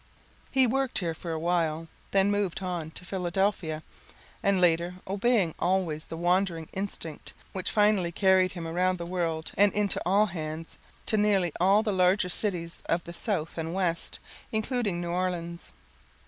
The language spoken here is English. He worked here for a while, then moved on to Philadelphia, and later, obeying always the wandering instinct which finally carried him around the world and into all hands, to nearly all the larger cities of the South and West, including New Orleans.